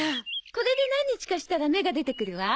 これで何日かしたら芽が出てくるわ。